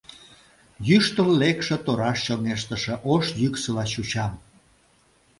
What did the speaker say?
Йӱштыл лекше тораш чоҥештыше ош йӱксыла чучам.